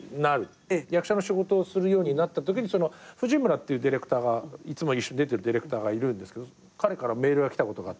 役者の仕事をするようになったときに藤村っていういつも一緒に出てるディレクターがいるんですけど彼からメールが来たことがあって。